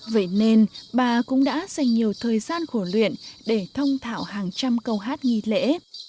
vậy nên bà cũng đã dành nhiều thời gian khổ luyện để thông thạo hàng trăm câu hát nghi lễ